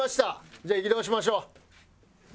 じゃあ移動しましょう。